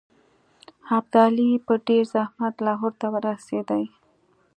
ابدالي په ډېر زحمت لاهور ته ورسېدی.